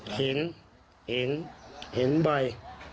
เห็นเห็นเห็นบ่อย